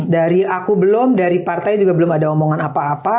dari aku belum dari partai juga belum ada omongan apa apa